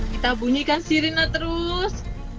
kita bunyikan sirine terus